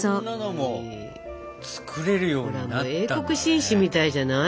もう英国紳士みたいじゃない？